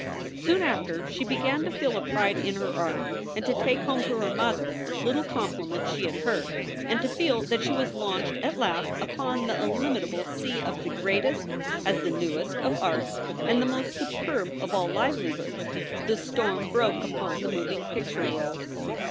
Soon after she began to feel a pride in her art and to take home to her mother little compliments she had heard, and to feel that she was launched at last upon the illimitable sea of the greatest, as the newest, of arts, and the most superb of all livelihoods, the storm broke upon the moving picture world.